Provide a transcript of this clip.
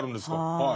はい。